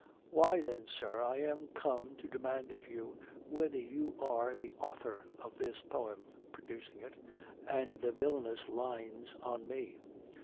"Why then, sir, I am come to demand of you, whether you are the author of this poem (producing it), and the villanous lines on me?"